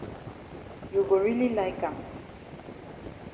You go really like am